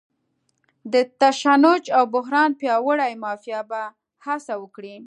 د تشنج او بحران پیاوړې مافیا به هڅه وکړي.